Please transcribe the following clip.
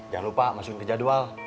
jangan lupa masukin jadwal